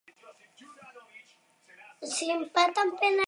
Parisko Kontserbatorioan egin zituen ikasketak.